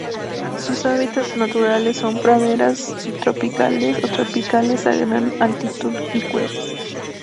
Sus hábitats naturales son praderas subtropicales o tropicales a gran altitud y cuevas.